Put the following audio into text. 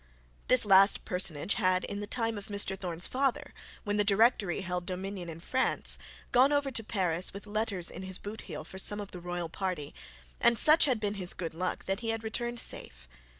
This last personage had, in the time of Mr Thorne's father, when the Directory held dominion in France, gone over to Paris with letters in his boot heel for some of the royal party; and such had been his good luck that he had returned safe.